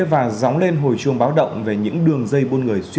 và gióng lên hồi chuông báo động về những đường dây